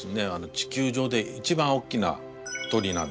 地球上で一番おっきな鳥なんです。